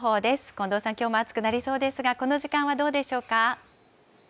近藤さん、きょうも暑くなりそうですが、この時間はどうでしょうか。